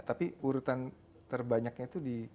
tapi urutan terbanyaknya itu di